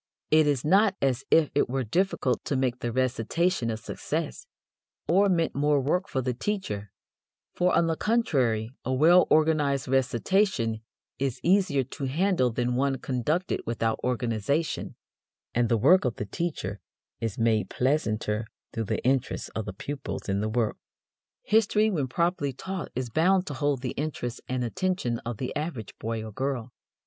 It is not as if it were difficult to make the recitation a success, or meant more work for the teacher, for, on the contrary a well organized recitation is easier to handle than one conducted without organization, and the work of the teacher is made pleasanter through the interest of the pupils in the work. History when properly taught is bound to hold the interest and attention of the average boy or girl.